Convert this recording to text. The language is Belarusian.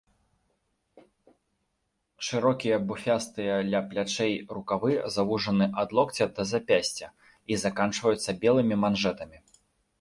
Шырокія буфястыя ля плячэй рукавы завужаны ад локця да запясця і заканчваюцца белымі манжэтамі.